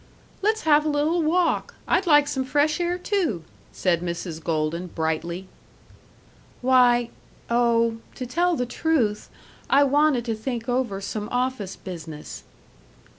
"Let's have a little walk. I'd like some fresh air, too," said Mrs. Golden, brightly. "Why oh to tell the truth, I wanted to think over some office business."